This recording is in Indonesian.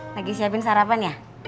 lagi siapin sarapan ya